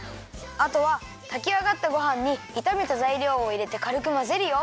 あとはたきあがったごはんにいためたざいりょうをいれてかるくまぜるよ。